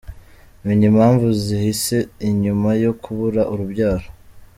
Menya impamvu zihishe inyuma yo kubura urubyaro.